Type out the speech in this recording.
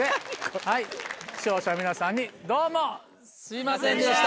はい視聴者の皆さんにどうも。すいませんでした。